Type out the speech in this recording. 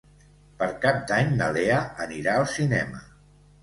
Per Cap d'Any na Lea anirà al cinema.